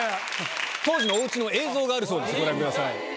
当時のおうちの映像があるそうですご覧ください。